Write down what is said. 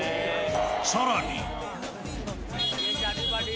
さらに。